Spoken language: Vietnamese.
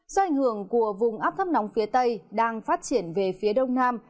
do ảnh hưởng của vùng áp thấp nóng phía tây đang phát triển về phía đông nam